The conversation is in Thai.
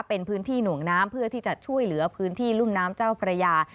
เป็นพื้นที่หน่วงน้ำเพื่อที่จะช่วยเหลือพื้นที่รุ่มน้ำเจ้าพระยา